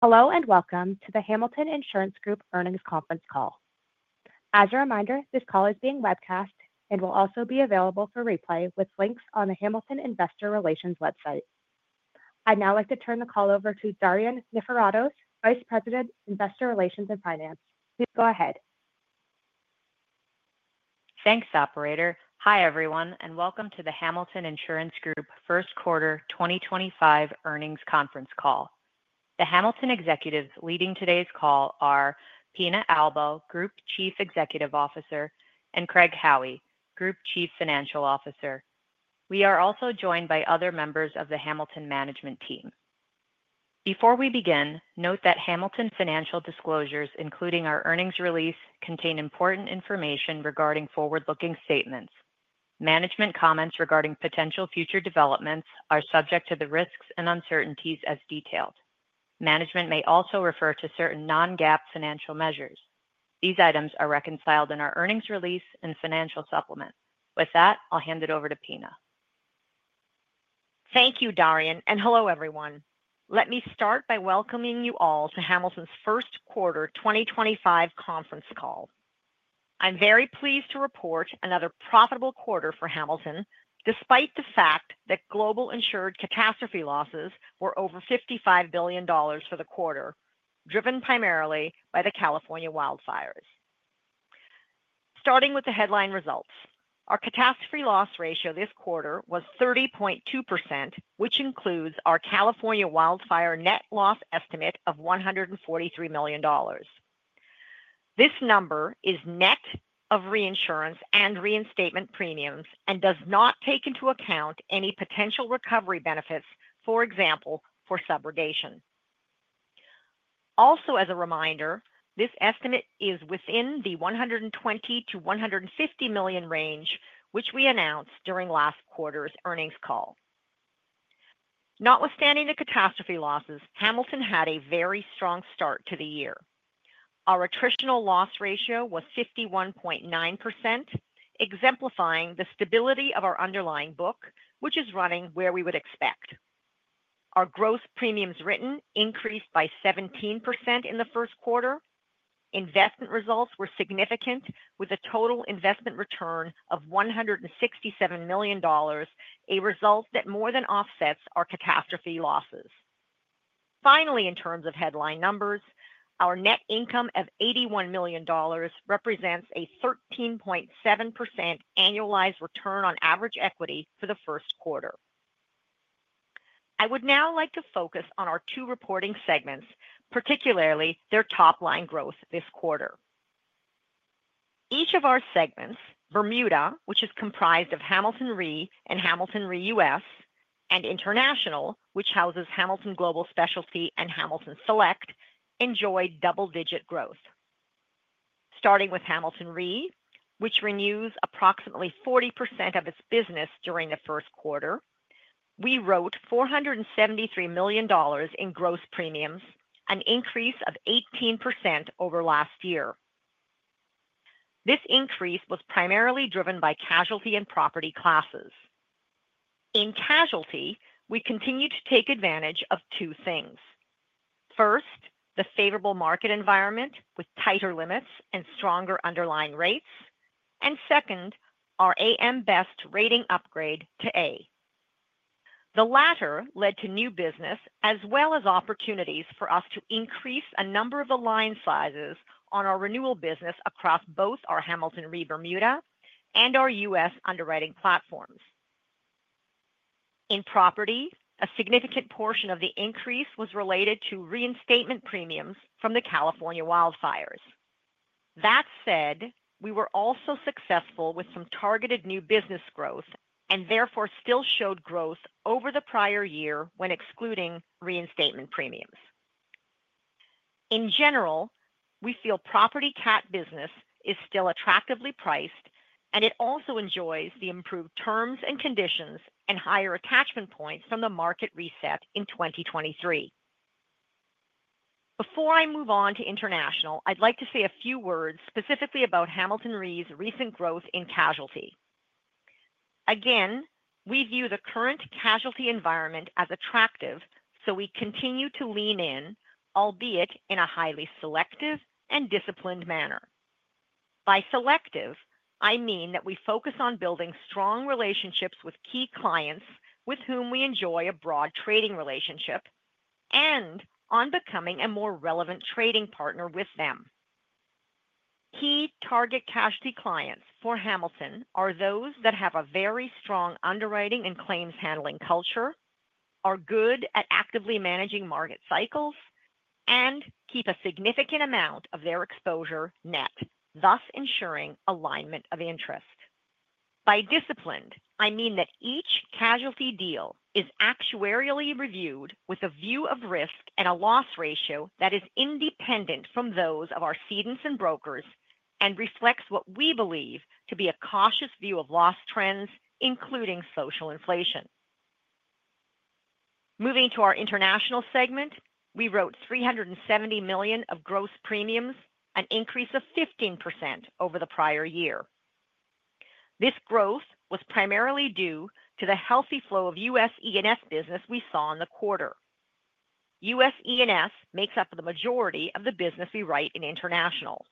Hello, and welcome to the Hamilton Insurance Group Earnings Conference Call. As a reminder, this call is being webcast and will also be available for replay with links on the Hamilton Investor Relations website. I'd now like to turn the call over to Darian Niforatos, Vice President, Investor Relations and Finance. Please go ahead. Thanks, Operator. Hi, everyone, and welcome to the Hamilton Insurance Group first quarter 2025 earnings conference call. The Hamilton executives leading today's call are Pina Albo, Group Chief Executive Officer, and Craig Howie, Group Chief Financial Officer. We are also joined by other members of the Hamilton management team. Before we begin, note that Hamilton financial disclosures, including our earnings release, contain important information regarding forward-looking statements. Management comments regarding potential future developments are subject to the risks and uncertainties as detailed. Management may also refer to certain non-GAAP financial measures. These items are reconciled in our earnings release and financial supplement. With that, I'll hand it over to Pina. Thank you, Darian, and hello, everyone. Let me start by welcoming you all to Hamilton's first quarter 2025 conference call. I'm very pleased to report another profitable quarter for Hamilton, despite the fact that global insured catastrophe losses were over $55 billion for the quarter, driven primarily by the California wildfires. Starting with the headline results, our catastrophe loss ratio this quarter was 30.2%, which includes our California wildfire net loss estimate of $143 million. This number is net of reinsurance and reinstatement premiums and does not take into account any potential recovery benefits, for example, for subrogation. Also, as a reminder, this estimate is within the $120 million-$150 million range, which we announced during last quarter's earnings call. Notwithstanding the catastrophe losses, Hamilton had a very strong start to the year. Our attritional loss ratio was 51.9%, exemplifying the stability of our underlying book, which is running where we would expect. Our gross premiums written increased by 17% in the first quarter. Investment results were significant, with a total investment return of $167 million, a result that more than offsets our catastrophe losses. Finally, in terms of headline numbers, our net income of $81 million represents a 13.7% annualized return on average equity for the first quarter. I would now like to focus on our two reporting segments, particularly their top-line growth this quarter. Each of our segments, Bermuda, which is comprised of Hamilton Re and Hamilton Re U.S., and International, which houses Hamilton Global Specialty and Hamilton Select, enjoyed double-digit growth. Starting with Hamilton Re, which renews approximately 40% of its business during the first quarter, we wrote $473 million in gross premiums, an increase of 18% over last year. This increase was primarily driven by casualty and property classes. In casualty, we continue to take advantage of two things. First, the favorable market environment with tighter limits and stronger underlying rates, and second, our AM Best rating upgrade to A. The latter led to new business as well as opportunities for us to increase a number of the line sizes on our renewal business across both our Hamilton Re Bermuda and our U.S. underwriting platforms. In property, a significant portion of the increase was related to reinstatement premiums from the California wildfires. That said, we were also successful with some targeted new business growth and therefore still showed growth over the prior year when excluding reinstatement premiums. In general, we feel property cat business is still attractively priced, and it also enjoys the improved terms and conditions and higher attachment points from the market reset in 2023. Before I move on to International, I'd like to say a few words specifically about Hamilton Re's recent growth in casualty. Again, we view the current casualty environment as attractive, so we continue to lean in, albeit in a highly selective and disciplined manner. By selective, I mean that we focus on building strong relationships with key clients with whom we enjoy a broad trading relationship and on becoming a more relevant trading partner with them. Key target casualty clients for Hamilton are those that have a very strong underwriting and claims handling culture, are good at actively managing market cycles, and keep a significant amount of their exposure net, thus ensuring alignment of interest. By disciplined, I mean that each casualty deal is actuarially reviewed with a view of risk and a loss ratio that is independent from those of our cedents and brokers and reflects what we believe to be a cautious view of loss trends, including social inflation. Moving to our international segment, we wrote $370 million of gross premiums, an increase of 15% over the prior year. This growth was primarily due to the healthy flow of U.S. E&S business we saw in the quarter. U.S. E&S makes up the majority of the business we write in International.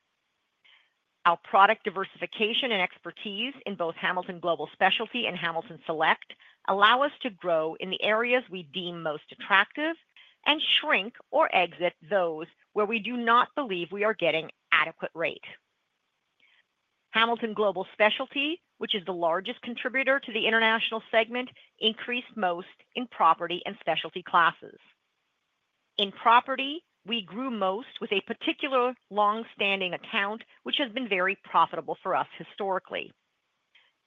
Our product diversification and expertise in both Hamilton Global Specialty and Hamilton Select allow us to grow in the areas we deem most attractive and shrink or exit those where we do not believe we are getting adequate rate. Hamilton Global Specialty, which is the largest contributor to the international segment, increased most in property and specialty classes. In property, we grew most with a particular long-standing account, which has been very profitable for us historically.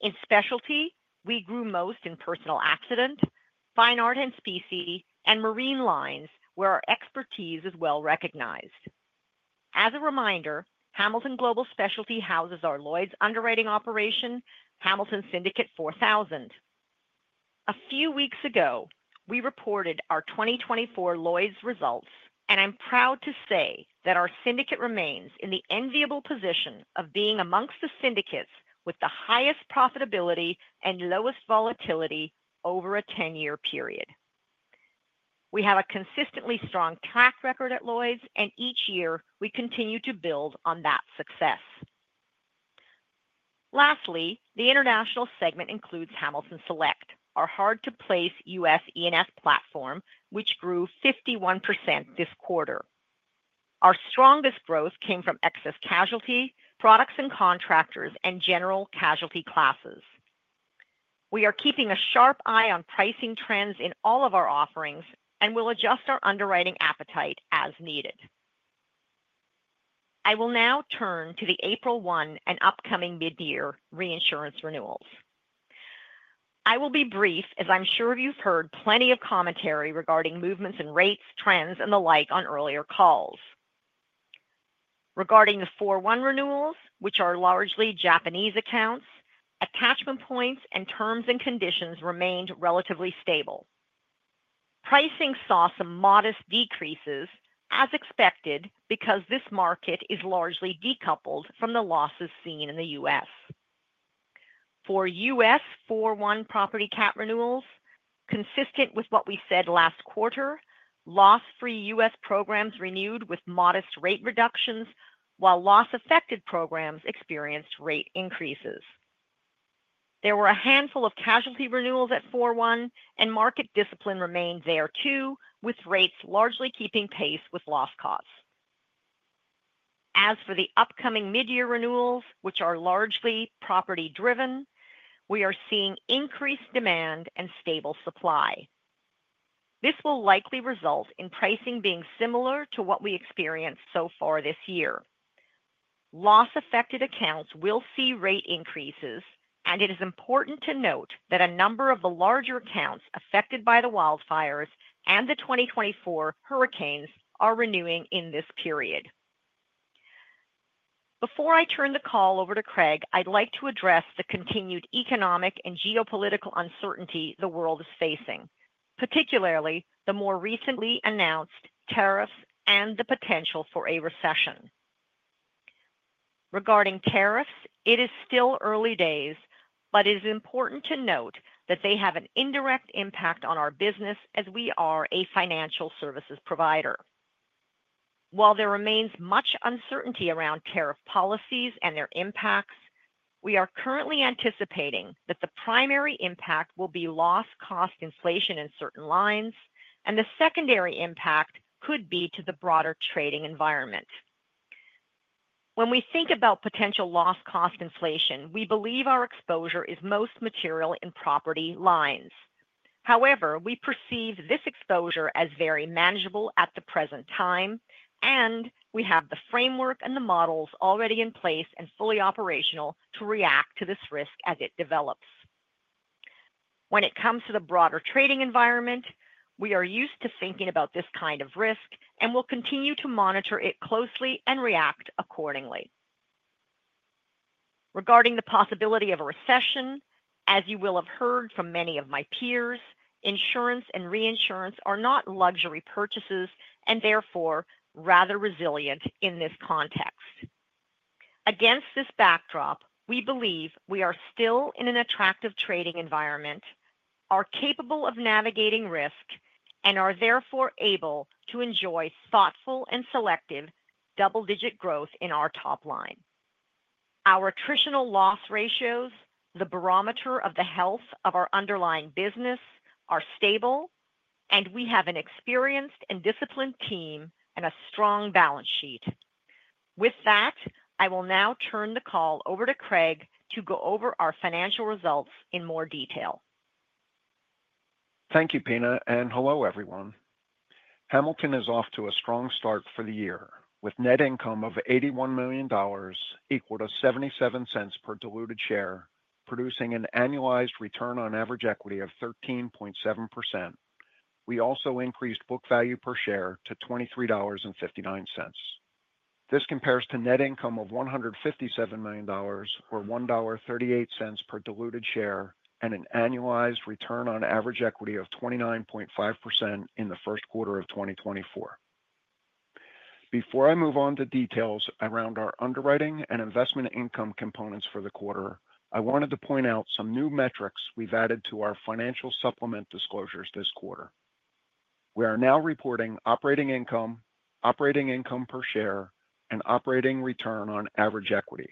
In specialty, we grew most in personal accident, fine art and specie, and marine lines, where our expertise is well recognized. As a reminder, Hamilton Global Specialty houses our Lloyd's underwriting operation, Hamilton Syndicate 4000. A few weeks ago, we reported our 2024 Lloyd's results, and I'm proud to say that our syndicate remains in the enviable position of being amongst the syndicates with the highest profitability and lowest volatility over a 10-year period. We have a consistently strong track record at Lloyd's, and each year we continue to build on that success. Lastly, the international segment includes Hamilton Select, our hard-to-place U.S. E&S platform, which grew 51% this quarter. Our strongest growth came from excess casualty, products and contractors, and general casualty classes. We are keeping a sharp eye on pricing trends in all of our offerings and will adjust our underwriting appetite as needed. I will now turn to the April 1 and upcoming mid-year reinsurance renewals. I will be brief, as I'm sure you've heard plenty of commentary regarding movements in rates, trends, and the like on earlier calls. Regarding the 4/1 renewals, which are largely Japanese accounts, attachment points and terms and conditions remained relatively stable. Pricing saw some modest decreases, as expected, because this market is largely decoupled from the losses seen in the U.S.. For U.S. 4/1 property cat renewals, consistent with what we said last quarter, loss-free U.S. programs renewed with modest rate reductions, while loss-affected programs experienced rate increases. There were a handful of casualty renewals at 4/1, and market discipline remained there too, with rates largely keeping pace with loss costs. As for the upcoming mid-year renewals, which are largely property-driven, we are seeing increased demand and stable supply. This will likely result in pricing being similar to what we experienced so far this year. Loss-affected accounts will see rate increases, and it is important to note that a number of the larger accounts affected by the wildfires and the 2024 hurricanes are renewing in this period. Before I turn the call over to Craig, I'd like to address the continued economic and geopolitical uncertainty the world is facing, particularly the more recently announced tariffs and the potential for a recession. Regarding tariffs, it is still early days, but it is important to note that they have an indirect impact on our business as we are a financial services provider. While there remains much uncertainty around tariff policies and their impacts, we are currently anticipating that the primary impact will be loss-cost inflation in certain lines, and the secondary impact could be to the broader trading environment. When we think about potential loss-cost inflation, we believe our exposure is most material in property lines. However, we perceive this exposure as very manageable at the present time, and we have the framework and the models already in place and fully operational to react to this risk as it develops. When it comes to the broader trading environment, we are used to thinking about this kind of risk and will continue to monitor it closely and react accordingly. Regarding the possibility of a recession, as you will have heard from many of my peers, insurance and reinsurance are not luxury purchases and therefore rather resilient in this context. Against this backdrop, we believe we are still in an attractive trading environment, are capable of navigating risk, and are therefore able to enjoy thoughtful and selective double-digit growth in our top line. Our attritional loss ratios, the barometer of the health of our underlying business, are stable, and we have an experienced and disciplined team and a strong balance sheet. With that, I will now turn the call over to Craig to go over our financial results in more detail. Thank you, Pina, and hello, everyone. Hamilton is off to a strong start for the year, with net income of $81 million equal to $0.77 per diluted share, producing an annualized return on average equity of 13.7%. We also increased book value per share to $23.59. This compares to net income of $157 million, or $1.38 per diluted share, and an annualized return on average equity of 29.5% in the first quarter of 2024. Before I move on to details around our underwriting and investment income components for the quarter, I wanted to point out some new metrics we've added to our financial supplement disclosures this quarter. We are now reporting operating income, operating income per share, and operating return on average equity.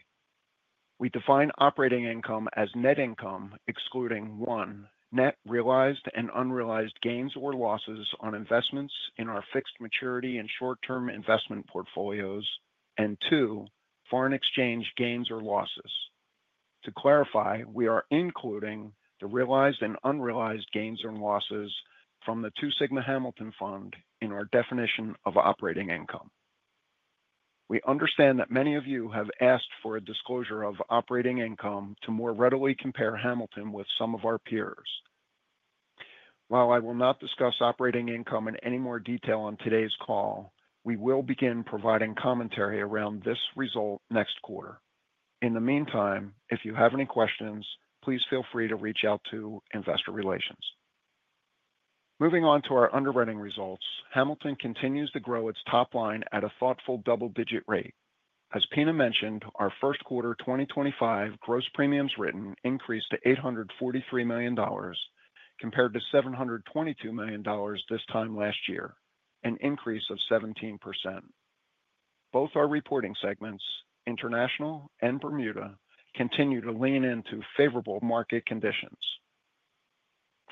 We define operating income as net income excluding: one, net realized and unrealized gains or losses on investments in our fixed maturity and short-term investment portfolios; and two, foreign exchange gains or losses. To clarify, we are including the realized and unrealized gains and losses from the Two Sigma Hamilton Fund in our definition of operating income. We understand that many of you have asked for a disclosure of operating income to more readily compare Hamilton with some of our peers. While I will not discuss operating income in any more detail on today's call, we will begin providing commentary around this result next quarter. In the meantime, if you have any questions, please feel free to reach out to investor relations. Moving on to our underwriting results, Hamilton continues to grow its top line at a thoughtful double-digit rate. As Pina mentioned, our first quarter 2025 gross premiums written increased to $843 million compared to $722 million this time last year, an increase of 17%. Both our reporting segments, international and Bermuda, continue to lean into favorable market conditions.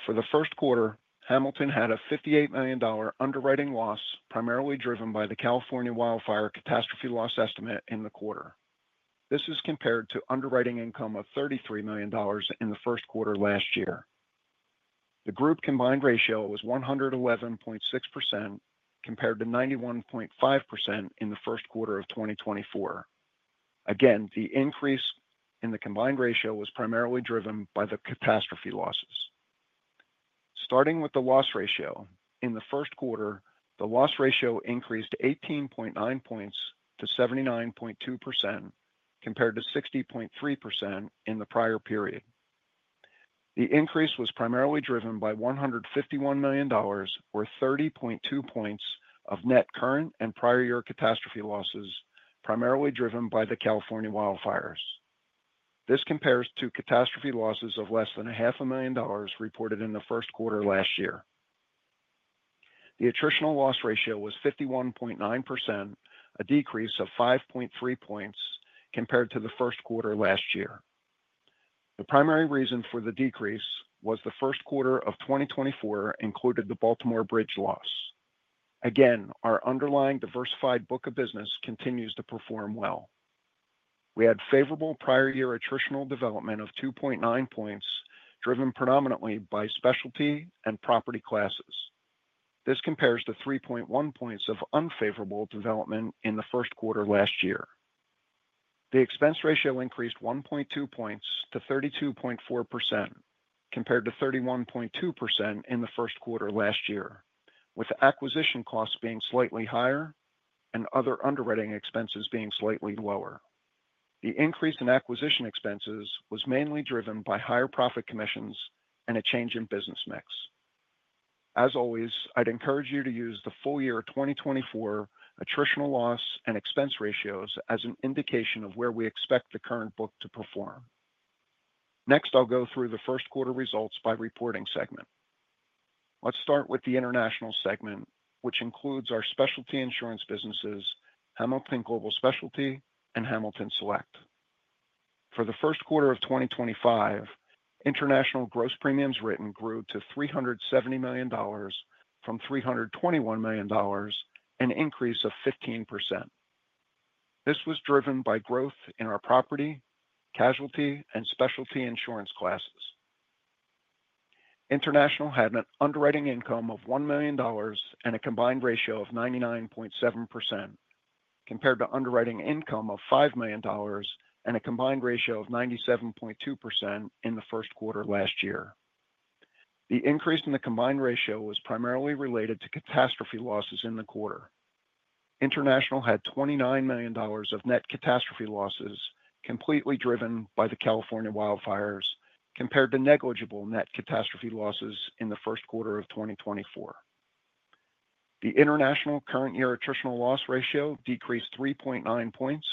For the first quarter, Hamilton had a $58 million underwriting loss primarily driven by the California wildfire catastrophe loss estimate in the quarter. This is compared to underwriting income of $33 million in the first quarter last year. The group combined ratio was 111.6% compared to 91.5% in the first quarter of 2024. Again, the increase in the combined ratio was primarily driven by the catastrophe losses. Starting with the loss ratio, in the first quarter, the loss ratio increased 18.9 percentage points to 79.2% compared to 60.3% in the prior period. The increase was primarily driven by $151 million, or 30.2 points of net current and prior year catastrophe losses primarily driven by the California wildfires. This compares to catastrophe losses of less than $500,000 reported in the first quarter last year. The attritional loss ratio was 51.9%, a decrease of 5.3 points compared to the first quarter last year. The primary reason for the decrease was the first quarter of 2024 included the Baltimore Bridge loss. Again, our underlying diversified book of business continues to perform well. We had favorable prior year attritional development of 2.9 points driven predominantly by specialty and property classes. This compares to 3.1 points of unfavorable development in the first quarter last year. The expense ratio increased 1.2 percentage points to 32.4% compared to 31.2% in the first quarter last year, with acquisition costs being slightly higher and other underwriting expenses being slightly lower. The increase in acquisition expenses was mainly driven by higher profit commissions and a change in business mix. As always, I'd encourage you to use the full year 2024 attritional loss and expense ratios as an indication of where we expect the current book to perform. Next, I'll go through the first quarter results by reporting segment. Let's start with the international segment, which includes our specialty insurance businesses, Hamilton Global Specialty, and Hamilton Select. For the first quarter of 2025, international gross premiums written grew to $370 million from $321 million, an increase of 15%. This was driven by growth in our property, casualty, and specialty insurance classes. International had an underwriting income of $1 million and a combined ratio of 99.7% compared to underwriting income of $5 million and a combined ratio of 97.2% in the first quarter last year. The increase in the combined ratio was primarily related to catastrophe losses in the quarter. International had $29 million of net catastrophe losses completely driven by the California wildfires compared to negligible net catastrophe losses in the first quarter of 2024. The international current year attritional loss ratio decreased 3.9 percentage points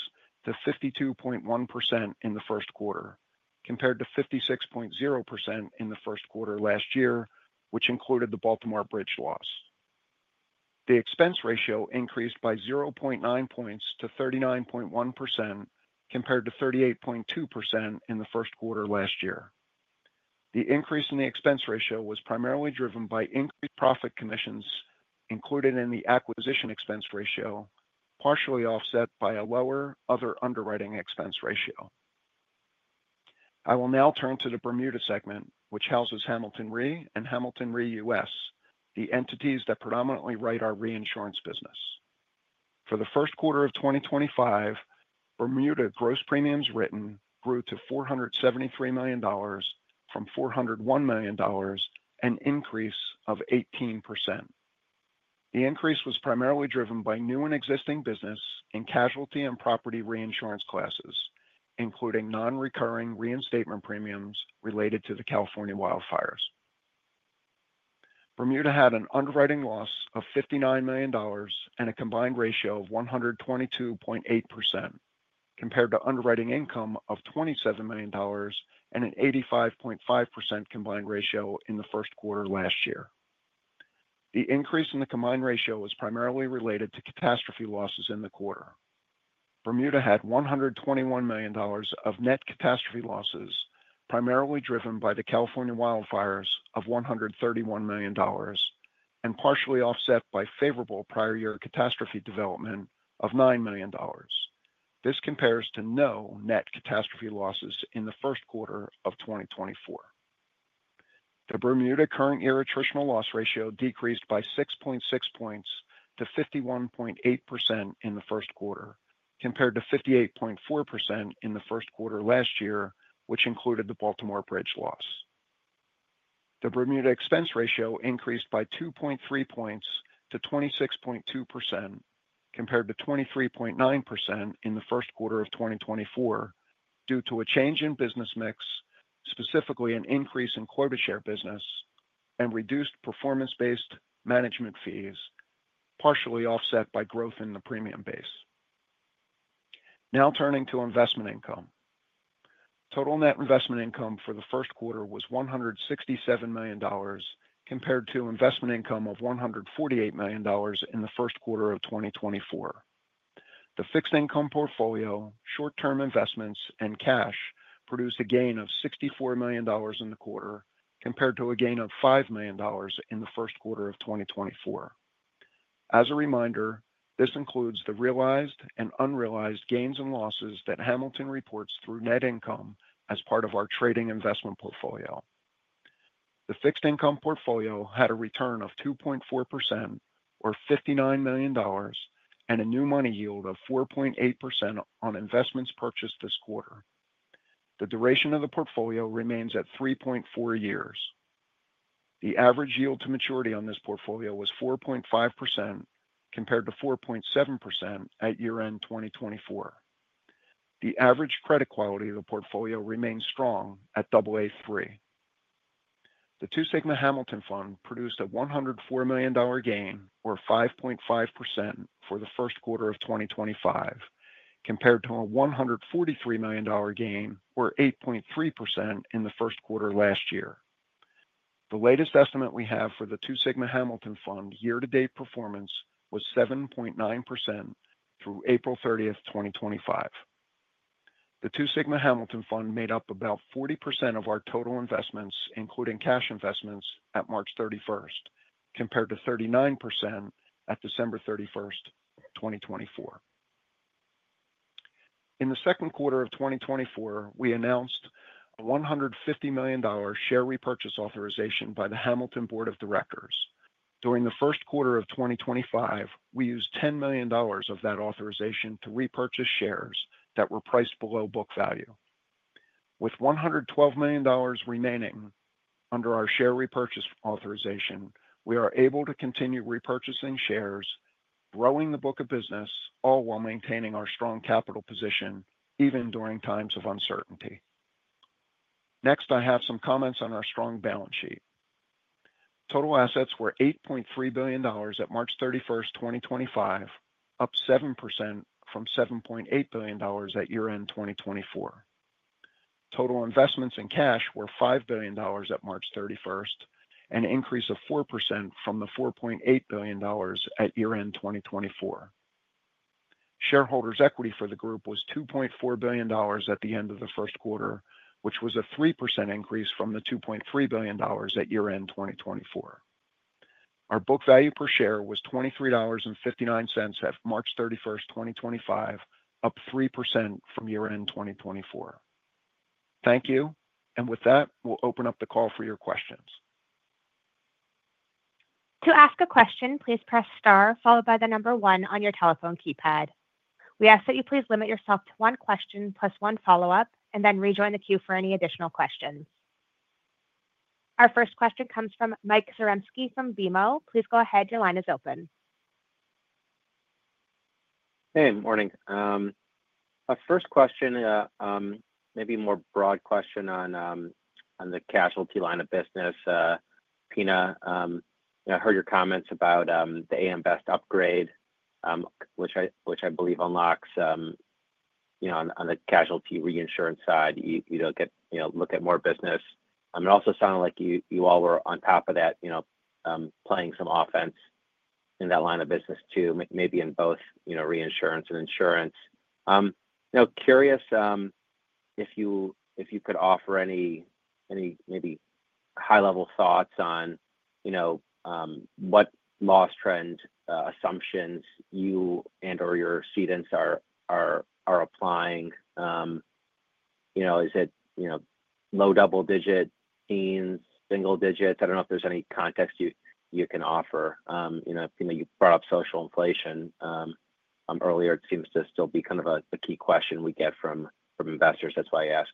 to 52.1% in the first quarter compared to 56.0% in the first quarter last year, which included the Baltimore Bridge loss. The expense ratio increased by 0.9 percentage points to 39.1% compared to 38.2% in the first quarter last year. The increase in the expense ratio was primarily driven by increased profit commissions included in the acquisition expense ratio, partially offset by a lower other underwriting expense ratio. I will now turn to the Bermuda segment, which houses Hamilton Re and Hamilton Re US, the entities that predominantly write our reinsurance business. For the first quarter of 2025, Bermuda gross premiums written grew to $473 million from $401 million and an increase of 18%. The increase was primarily driven by new and existing business in casualty and property reinsurance classes, including non-recurring reinstatement premiums related to the California wildfires. Bermuda had an underwriting loss of $59 million and a combined ratio of 122.8% compared to underwriting income of $27 million and an 85.5% combined ratio in the first quarter last year. The increase in the combined ratio was primarily related to catastrophe losses in the quarter. Bermuda had $121 million of net catastrophe losses primarily driven by the California wildfires of $131 million and partially offset by favorable prior year catastrophe development of $9 million. This compares to no net catastrophe losses in the first quarter of 2024. The Bermuda current year attritional loss ratio decreased by 6.6 points to 51.8% in the first quarter compared to 58.4% in the first quarter last year, which included the Baltimore Bridge loss. The Bermuda expense ratio increased by 2.3 points to 26.2% compared to 23.9% in the first quarter of 2024 due to a change in business mix, specifically an increase in quota share business and reduced performance-based management fees, partially offset by growth in the premium base. Now turning to investment income. Total net investment income for the first quarter was $167 million compared to investment income of $148 million in the first quarter of 2024. The fixed income portfolio, short-term investments, and cash produced a gain of $64 million in the quarter compared to a gain of $5 million in the first quarter of 2024. As a reminder, this includes the realized and unrealized gains and losses that Hamilton reports through net income as part of our trading investment portfolio. The fixed income portfolio had a return of 2.4%, or $59 million, and a new money yield of 4.8% on investments purchased this quarter. The duration of the portfolio remains at 3.4 years. The average yield to maturity on this portfolio was 4.5% compared to 4.7% at year-end 2024. The average credit quality of the portfolio remains strong at Aa3. The Two Sigma Hamilton Fund produced a $104 million gain, or 5.5%, for the first quarter of 2025 compared to a $143 million gain, or 8.3%, in the first quarter last year. The latest estimate we have for the Two Sigma Hamilton Fund year-to-date performance was 7.9% through April 30, 2025. The Two Sigma Hamilton Fund made up about 40% of our total investments, including cash investments, at March 31 compared to 39% at December 31, 2024. In the second quarter of 2024, we announced a $150 million share repurchase authorization by the Hamilton Board of Directors. During the first quarter of 2025, we used $10 million of that authorization to repurchase shares that were priced below book value. With $112 million remaining under our share repurchase authorization, we are able to continue repurchasing shares, growing the book of business, all while maintaining our strong capital position even during times of uncertainty. Next, I have some comments on our strong balance sheet. Total assets were $8.3 billion at March 31, 2025, up 7% from $7.8 billion at year-end 2024. Total investments in cash were $5 billion at March 31 and an increase of 4% from the $4.8 billion at year-end 2024. Shareholders' equity for the group was $2.4 billion at the end of the first quarter, which was a 3% increase from the $2.3 billion at year-end 2024. Our book value per share was $23.59 at March 31, 2025, up 3% from year-end 2024. Thank you. With that, we'll open up the call for your questions. To ask a question, please press star followed by the number one on your telephone keypad. We ask that you please limit yourself to one question plus one follow-up and then rejoin the queue for any additional questions. Our first question comes from Mike Zaremski from BMO. Please go ahead. Your line is open. Hey, good morning. My first question, maybe a more broad question on the casualty line of business. Pina, I heard your comments about the AM Best upgrade, which I believe unlocks on the casualty reinsurance side. You look at more business. It also sounded like you all were on top of that, playing some offense in that line of business too, maybe in both reinsurance and insurance. Curious if you could offer any maybe high-level thoughts on what loss trend assumptions you and/or your cedents are applying. Is it low double-digit teens, single digits? I do not know if there is any context you can offer. You brought up social inflation earlier. It seems to still be kind of a key question we get from investors. That is why I ask.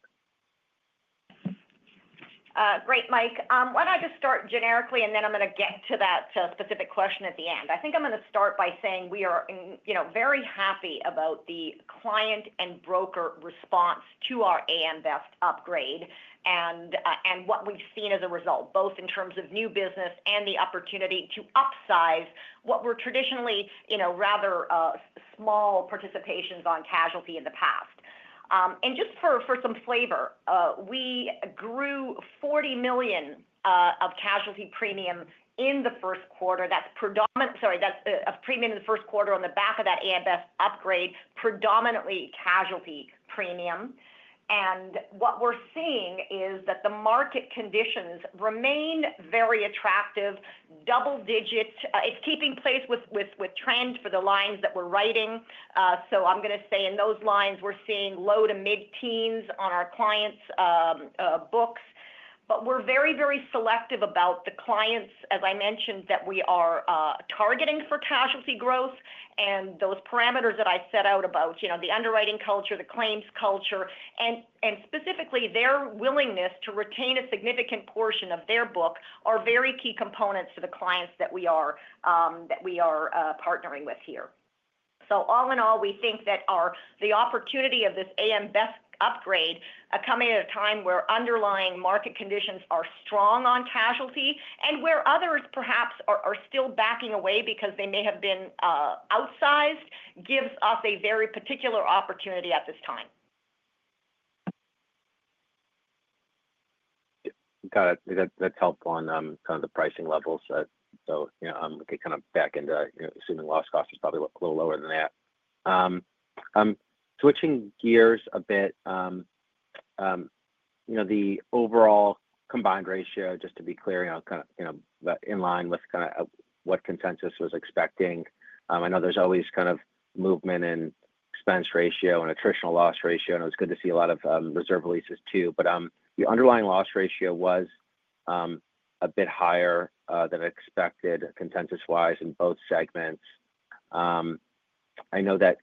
Great, Mike. Why do not I just start generically, and then I am going to get to that specific question at the end. I think I am going to start by saying we are very happy about the client and broker response to our AM Best upgrade and what we have seen as a result, both in terms of new business and the opportunity to upsize what were traditionally rather small participations on casualty in the past. Just for some flavor, we grew $40 million of casualty premium in the first quarter. Sorry, that is a premium in the first quarter on the back of that AM Best upgrade, predominantly casualty premium. What we are seeing is that the market conditions remain very attractive, double-digits. It is keeping pace with trend for the lines that we are writing. I am going to say in those lines, we are seeing low to mid-teens on our clients' books. We are very, very selective about the clients, as I mentioned, that we are targeting for casualty growth. Those parameters that I set out about the underwriting culture, the claims culture, and specifically their willingness to retain a significant portion of their book are very key components to the clients that we are partnering with here. All in all, we think that the opportunity of this AM Best upgrade coming at a time where underlying market conditions are strong on casualty and where others perhaps are still backing away because they may have been outsized gives us a very particular opportunity at this time. Got it. That's helpful on kind of the pricing levels. So we could kind of back into assuming loss cost is probably a little lower than that. Switching gears a bit, the overall combined ratio, just to be clear, kind of in line with kind of what consensus was expecting. I know there's always kind of movement in expense ratio and attritional loss ratio. And it was good to see a lot of reserve releases too. But the underlying loss ratio was a bit higher than expected consensus-wise in both segments. I know that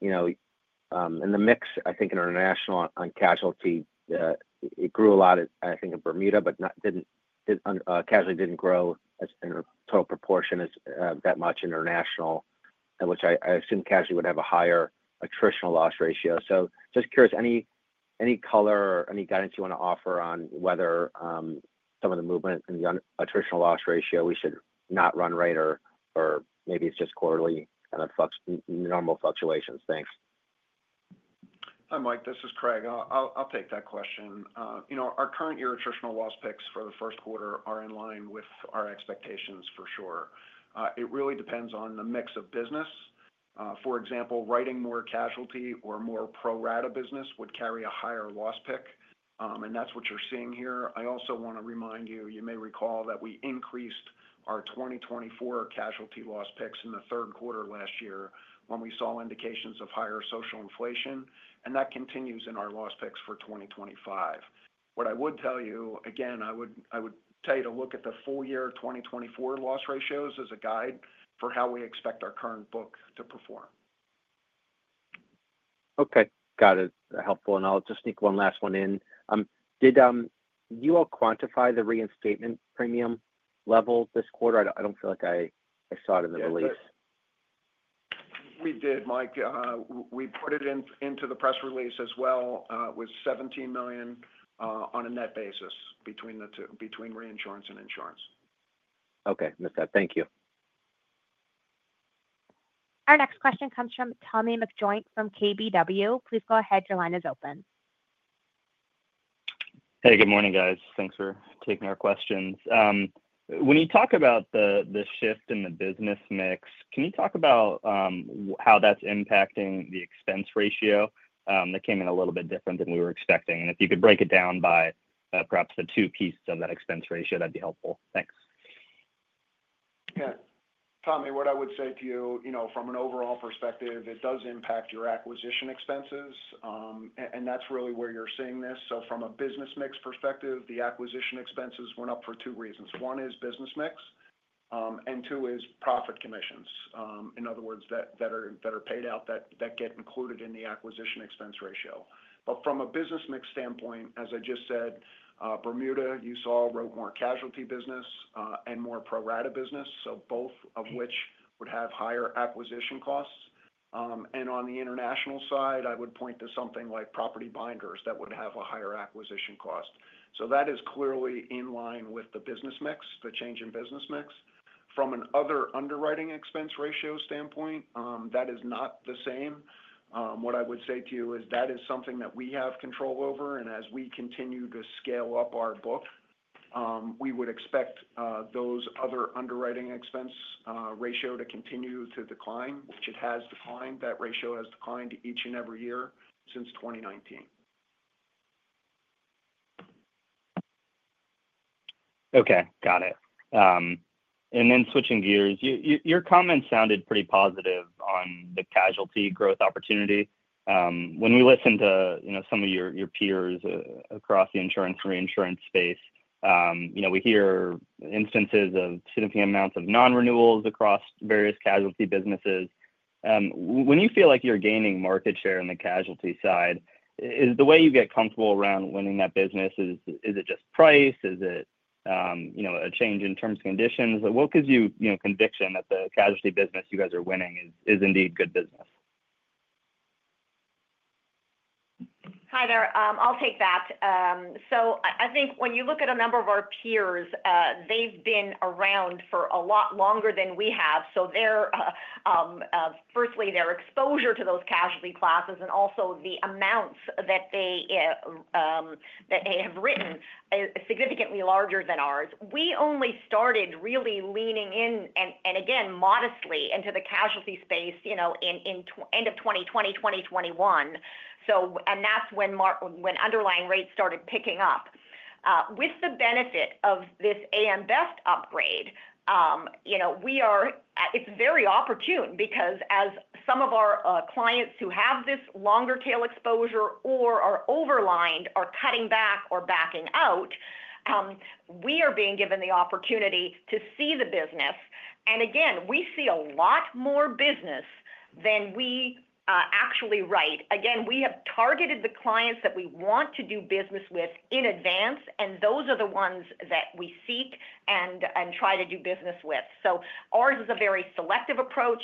in the mix, I think international on casualty, it grew a lot, I think, in Bermuda, but casualty didn't grow in total proportion that much in international, which I assume casualty would have a higher attritional loss ratio. Just curious, any color or any guidance you want to offer on whether some of the movement in the attritional loss ratio we should not run right or maybe it's just quarterly kind of normal fluctuations? Thanks. Hi, Mike. This is Craig. I'll take that question. Our current year attritional loss picks for the first quarter are in line with our expectations for sure. It really depends on the mix of business. For example, writing more casualty or more pro-rata business would carry a higher loss pick. That's what you're seeing here. I also want to remind you, you may recall that we increased our 2024 casualty loss picks in the third quarter last year when we saw indications of higher social inflation. That continues in our loss picks for 2025. What I would tell you, again, I would tell you to look at the full year 2024 loss ratios as a guide for how we expect our current book to perform. Okay. Got it. Helpful. I'll just sneak one last one in. Did you all quantify the reinstatement premium level this quarter? I don't feel like I saw it in the release. Yes. We did, Mike. We put it into the press release as well. It was $17 million on a net basis between reinsurance and insurance. Okay. Missed that. Thank you. Our next question comes from Tommy Mcjoynt from KBW. Please go ahead. Your line is open. Hey, good morning, guys. Thanks for taking our questions. When you talk about the shift in the business mix, can you talk about how that's impacting the expense ratio? That came in a little bit different than we were expecting. If you could break it down by perhaps the two pieces of that expense ratio, that'd be helpful. Thanks. Yeah. Tommy, what I would say to you from an overall perspective, it does impact your acquisition expenses. That is really where you are seeing this. From a business mix perspective, the acquisition expenses went up for two reasons. One is business mix, and two is profit commissions. In other words, that are paid out that get included in the acquisition expense ratio. From a business mix standpoint, as I just said, Bermuda, you saw, wrote more casualty business and more pro-rata business, both of which would have higher acquisition costs. On the international side, I would point to something like property binders that would have a higher acquisition cost. That is clearly in line with the business mix, the change in business mix. From another underwriting expense ratio standpoint, that is not the same. What I would say to you is that is something that we have control over. As we continue to scale up our book, we would expect those other underwriting expense ratio to continue to decline, which it has declined. That ratio has declined each and every year since 2019. Okay. Got it. Then switching gears, your comments sounded pretty positive on the casualty growth opportunity. When we listen to some of your peers across the insurance reinsurance space, we hear instances of significant amounts of non-renewals across various casualty businesses. When you feel like you're gaining market share on the casualty side, is the way you get comfortable around winning that business, is it just price? Is it a change in terms and conditions? What gives you conviction that the casualty business you guys are winning is indeed good business? Hi there. I'll take that. I think when you look at a number of our peers, they've been around for a lot longer than we have. Firstly, their exposure to those casualty classes and also the amounts that they have written is significantly larger than ours. We only started really leaning in, and again, modestly, into the casualty space in the end of 2020, 2021. That's when underlying rates started picking up. With the benefit of this AM Best upgrade, it's very opportune because as some of our clients who have this longer tail exposure or are overlined are cutting back or backing out, we are being given the opportunity to see the business. Again, we see a lot more business than we actually write. Again, we have targeted the clients that we want to do business with in advance, and those are the ones that we seek and try to do business with. Ours is a very selective approach.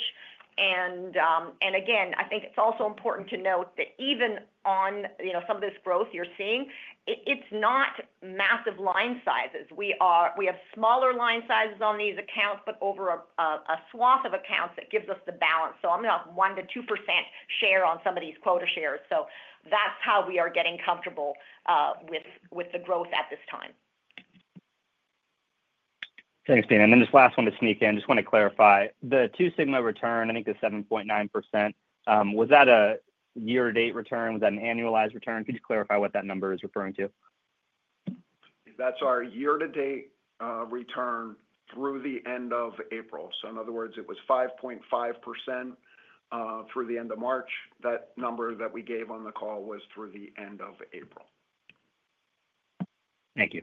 I think it's also important to note that even on some of this growth you're seeing, it's not massive line sizes. We have smaller line sizes on these accounts, but over a swath of accounts that gives us the balance. I'm going to have 1%-2% share on some of these quota shares. That's how we are getting comfortable with the growth at this time. Thanks, Pina. Then just last one to sneak in. I just want to clarify. The Two Sigma return, I think the 7.9%, was that a year-to-date return? Was that an annualized return? Could you clarify what that number is referring to? That's our year-to-date return through the end of April. In other words, it was 5.5% through the end of March. That number that we gave on the call was through the end of April. Thank you.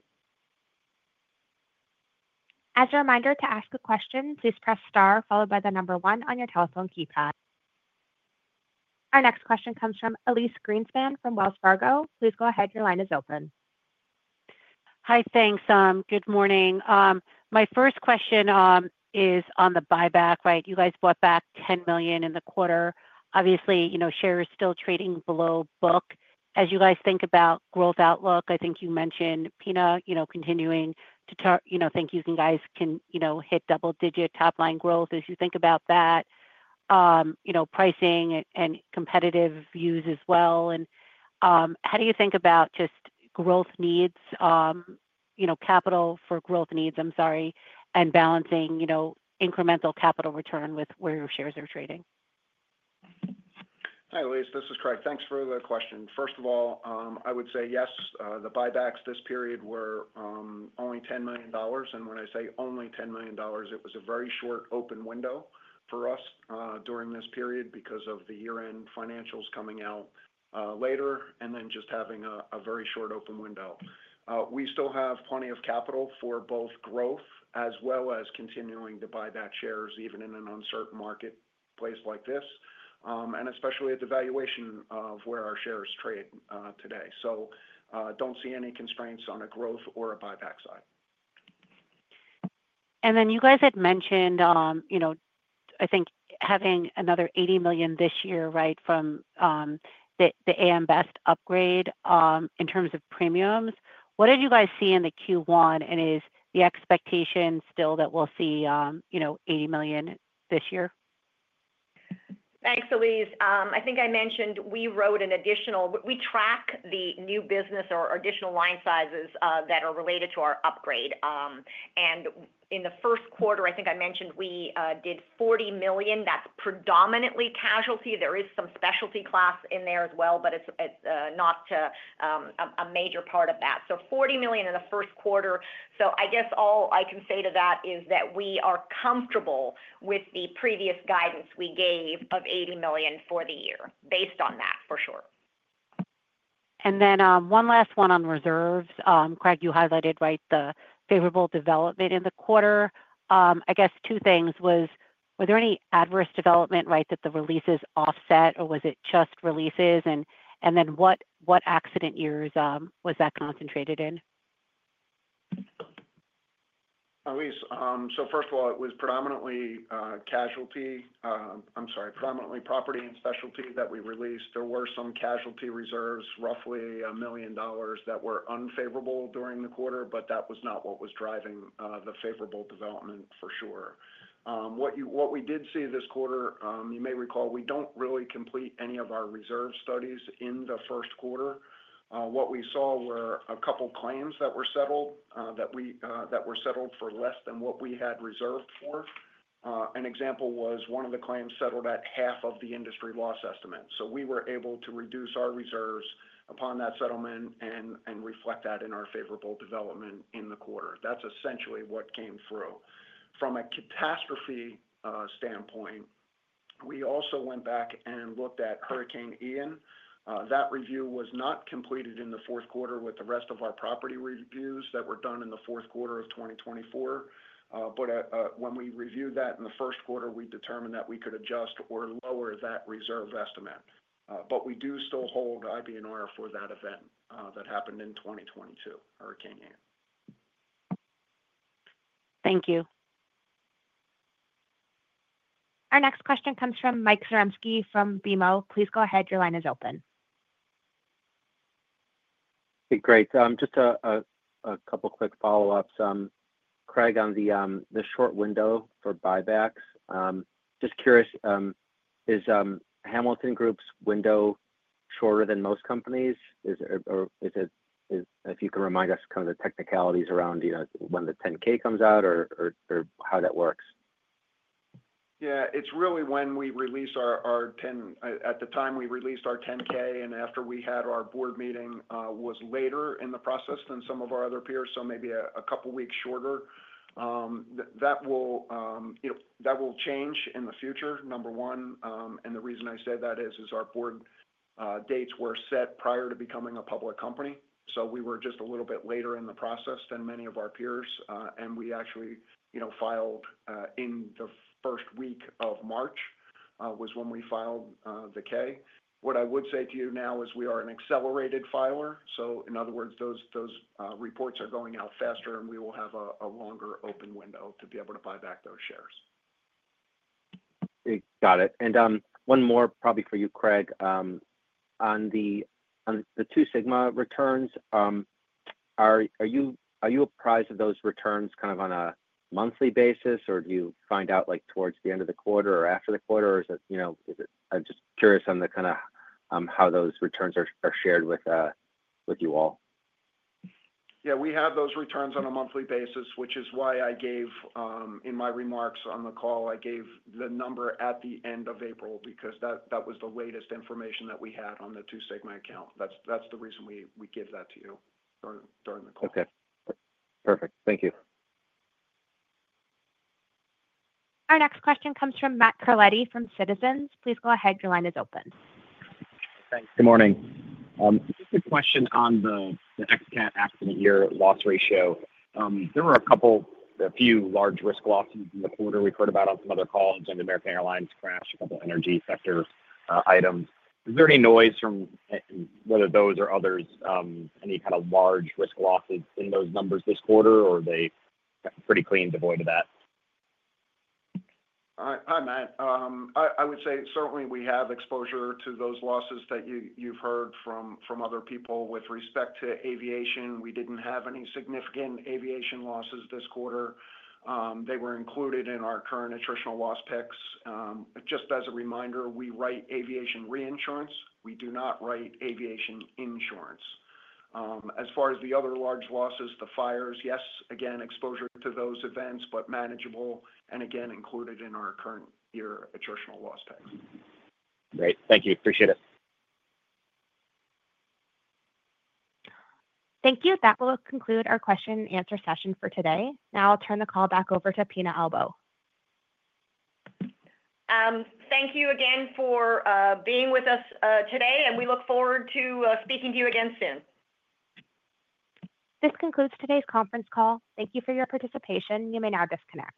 As a reminder to ask a question, please press star followed by the number one on your telephone keypad. Our next question comes from Elyse Greenspan from Wells Fargo. Please go ahead. Your line is open. Hi, thanks. Good morning. My first question is on the buyback, right? You guys bought back $10 million in the quarter. Obviously, shares are still trading below book. As you guys think about growth outlook, I think you mentioned Pina continuing to think you guys can hit double-digit top-line growth as you think about that, pricing, and competitive views as well. How do you think about just growth needs, capital for growth needs, I'm sorry, and balancing incremental capital return with where your shares are trading? Hi, Elyse. This is Craig. Thanks for the question. First of all, I would say yes. The buybacks this period were only $10 million. And when I say only $10 million, it was a very short open window for us during this period because of the year-end financials coming out later and then just having a very short open window. We still have plenty of capital for both growth as well as continuing to buy back shares even in an uncertain marketplace like this, and especially at the valuation of where our shares trade today. So do not see any constraints on a growth or a buyback side. You guys had mentioned, I think, having another $80 million this year, right, from the AM Best upgrade in terms of premiums. What did you guys see in the Q1? Is the expectation still that we will see $80 million this year? Thanks, Elyse. I think I mentioned we wrote an additional, we track the new business or additional line sizes that are related to our upgrade. In the first quarter, I think I mentioned we did $40 million. That's predominantly casualty. There is some specialty class in there as well, but it's not a major part of that. $40 million in the first quarter. I guess all I can say to that is that we are comfortable with the previous guidance we gave of $80 million for the year based on that for sure. One last one on reserves. Craig, you highlighted, right, the favorable development in the quarter. I guess two things: was there any adverse development, right, that the releases offset, or was it just releases? And then what accident years was that concentrated in? Elyse, first of all, it was predominantly property and specialty that we released. There were some casualty reserves, roughly $1 million, that were unfavorable during the quarter, but that was not what was driving the favorable development for sure. What we did see this quarter, you may recall, we do not really complete any of our reserve studies in the first quarter. What we saw were a couple of claims that were settled for less than what we had reserved for. An example was one of the claims settled at half of the industry loss estimate, so we were able to reduce our reserves upon that settlement and reflect that in our favorable development in the quarter. That is essentially what came through. From a catastrophe standpoint, we also went back and looked at Hurricane Ian. That review was not completed in the fourth quarter with the rest of our property reviews that were done in the fourth quarter of 2024. When we reviewed that in the first quarter, we determined that we could adjust or lower that reserve estimate. We do still hold IBNR for that event that happened in 2022, Hurricane Ian. Thank you. Our next question comes from Mike Zaremski from BMO. Please go ahead. Your line is open. Okay. Great. Just a couple of quick follow-ups. Craig, on the short window for buybacks, just curious, is Hamilton Insurance Group's window shorter than most companies? If you can remind us kind of the technicalities around when the 10-K comes out or how that works. Yeah. It's really when we release our 10 -- at the time we released our 10-K and after we had our board meeting was later in the process than some of our other peers, so maybe a couple of weeks shorter. That will change in the future, number one. The reason I say that is our board dates were set prior to becoming a public company. We were just a little bit later in the process than many of our peers. We actually filed in the first week of March was when we filed the K. What I would say to you now is we are an accelerated filer. In other words, those reports are going out faster, and we will have a longer open window to be able to buy back those shares. Okay. Got it. And one more probably for you, Craig. On the Two Sigma returns, are you apprised of those returns kind of on a monthly basis, or do you find out towards the end of the quarter or after the quarter? Or is it, I'm just curious on kind of how those returns are shared with you all. Yeah. We have those returns on a monthly basis, which is why I gave in my remarks on the call, I gave the number at the end of April because that was the latest information that we had on the Two Sigma account. That's the reason we give that to you during the call. Okay. Perfect. Thank you. Our next question comes from Matt Carletti from Citizens. Please go ahead. Your line is open. Thanks. Good morning. Just a question on the X-CAT accident year loss ratio. There were a few large risk losses in the quarter. We've heard about on some other calls, an American Airlines crash, a couple of energy sector items. Is there any noise from whether those or others, any kind of large risk losses in those numbers this quarter, or are they pretty clean, devoid of that? Hi, Matt. I would say certainly we have exposure to those losses that you've heard from other people. With respect to aviation, we didn't have any significant aviation losses this quarter. They were included in our current attritional loss picks. Just as a reminder, we write aviation reinsurance. We do not write aviation insurance. As far as the other large losses, the fires, yes, again, exposure to those events, but manageable and again included in our current year attritional loss picks. Great. Thank you. Appreciate it. Thank you. That will conclude our question-and-answer session for today. Now I'll turn the call back over to Pina Albo. Thank you again for being with us today, and we look forward to speaking to you again soon. This concludes today's conference call. Thank you for your participation. You may now disconnect.